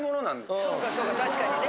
そうかそうか確かにね。